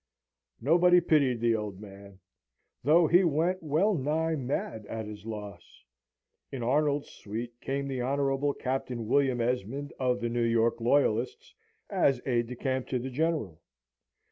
Nobody pitied the old man, though he went well nigh mad at his loss. In Arnold's suite came the Honourable Captain William Esmond, of the New York Loyalists, as aide de camp to the General.